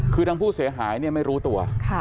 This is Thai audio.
คือทางผู้เสียหายเนี่ยไม่รู้ตัว